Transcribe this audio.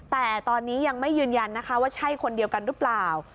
แต่ตอนนี้ยังไม่ยืนยันนะคะว่าใช่คนเดียวกันหรือเปล่า